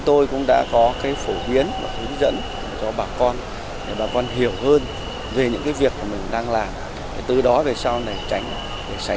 trong đợt trao trả bốn mươi hai ngư dân qua đường hàng không tại sân bay quốc tế sukarno hatta